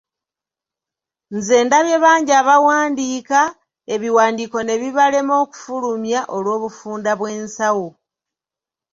Nze ndabye bangi abawandiika, ebiwandiiko ne bibalema okufulumya olw'obufunda bw'ensawo!